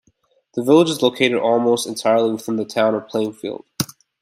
The village is located almost entirely within the Town of Plainfield.